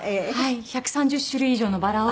１３０種類以上のバラを。